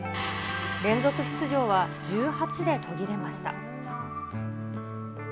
連続出場は１８で途切れました。